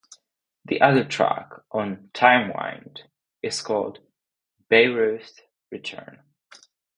The other track on "Timewind" is called "Bayreuth Return".